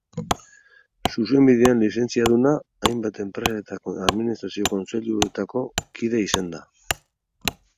Zuzenbidean lizentziaduna, hainbat enpresetako administrazio kontseiluetako kide izan da.